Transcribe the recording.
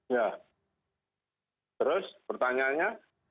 ya terus pertanyaannya